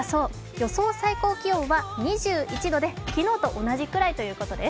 予想最高気温は２１度で昨日と同じくらいということです。